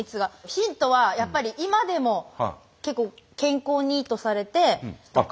ヒントはやっぱり今でも結構健康にいいとされてとか。